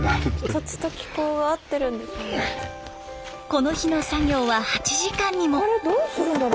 この日の作業は８時間にも。